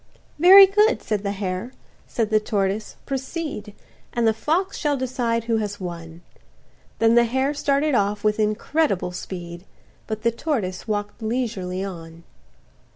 "Very good," said the hare; said the tortoise, "Proceed, And the fox shall decide who has won," Then the hare started off with incredible speed; But the tortoise walk'd leisurely on.